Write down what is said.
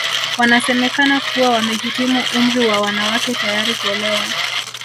Wanasemekana kuwa wamehitimu umri wa wanawake tayari kuolewa